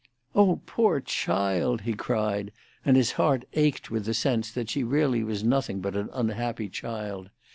"O poor child!" he cried, and his heart ached with the sense that she really was nothing but an unhappy child.